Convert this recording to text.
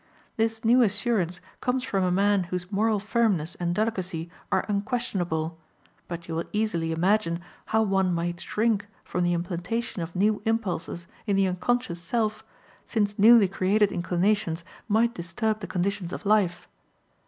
This new assurance comes from a man whose moral firmness and delicacy are unquestionable, but you will easily imagine how one might shrink from the implantation of new impulses in the unconscious self, since newly created inclinations might disturb the conditions of life.